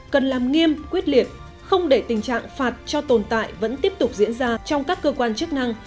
cần làm nghiêm quyết liệt không để tình trạng phạt cho tồn tại vẫn tiếp tục diễn ra trong các cơ quan chức năng